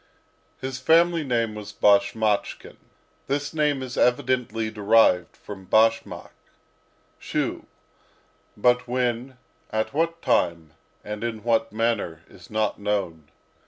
His family name was Bashmachkin. This name is evidently derived from bashmak (shoe); but, when, at what time, and in what manner, is not known.